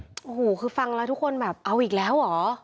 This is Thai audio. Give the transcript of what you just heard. โอ้โหคือฟังแล้วทุกคนแบบเอาอีกแล้วเหรอ